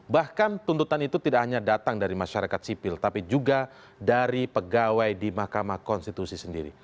bahkan tuntutan itu tidak hanya datang dari masyarakat sipil tapi juga dari pegawai di mahkamah konstitusi sendiri